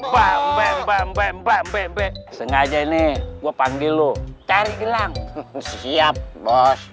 bambang bambang bambang bambang sengaja ini gua panggil lo cari gelang siap bos